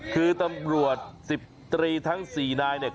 คือตำรวจสิบต้รีทั้งสี่นาย